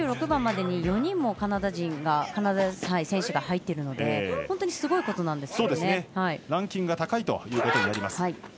２６番までに４人カナダ選手が入っているのでランキングが高いということになります。